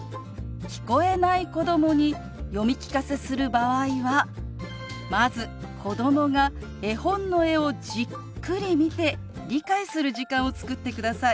聞こえない子どもに読み聞かせする場合はまず子どもが絵本の絵をじっくり見て理解する時間を作ってください。